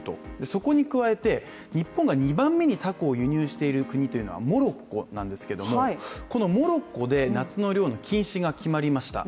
そこに加えて、日本が２番目にたこを輸入している国というのはモロッコなんですけども、そのモロッコで夏の漁の禁止が決まりました。